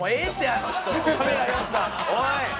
おい！